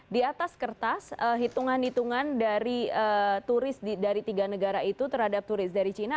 di atas kertas hitungan hitungan dari turis dari tiga negara itu terhadap turis dari cina